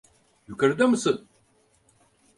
Yukarıda mısın?